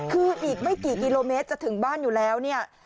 คืออีกไม่กี่กิโลเมตรจะถึงบ้านอยู่แล้วเนี่ย